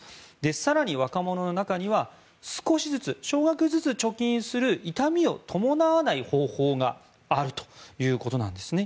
更に若者の中には少しずつ少額ずつ貯金する痛みを伴わない方法があるということなんですね。